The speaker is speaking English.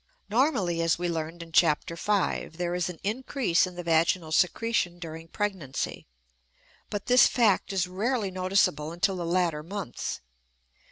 Normally, as we learned in Chapter V, there is an increase in the vaginal secretion during pregnancy; but this fact is rarely noticeable until the latter months.